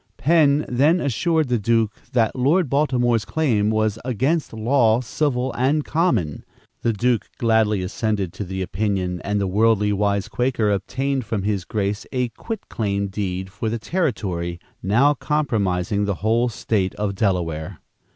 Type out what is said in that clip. Penn then assured the Duke that Lord Baltimore's claim was "against law, civil and common." The duke gladly assented to the opinion, and the worldly wise Quaker obtained from his grace a quitclaim deed for the territory, now comprising the whole of the State of Delaware.